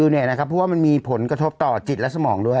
เพราะว่ามันมีผลกระทบต่อจิตและสมองด้วย